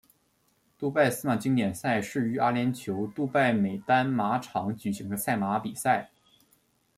杜拜司马经典赛是于阿联酋杜拜美丹马场举行的赛马比赛。